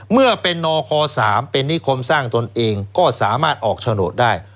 เมื่อเป็นนค๓เป็นนิคมสร้างตนเองก็สามารถออกโฉนดได้